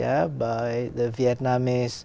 anh đã ở việt nam